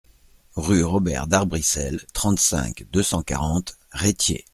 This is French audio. Rue Robert D'Arbrissel, trente-cinq, deux cent quarante Retiers